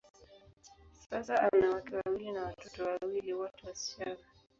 Sasa, ana wake wawili na watoto wawili, wote wasichana.